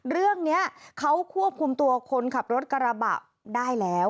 เรื่องนี้เขาควบคุมตัวคนขับรถกระบะได้แล้ว